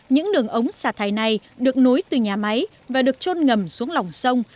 những đường ống xả thải này được nối từ nhà máy và được trôn ngầm xuống lòng sông